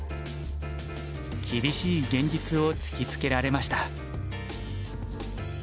厳しい現実を突きつけられました。